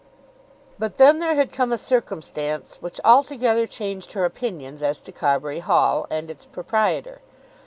But then there had come a circumstance which altogether changed her opinions as to Carbury Hall, and its proprietor.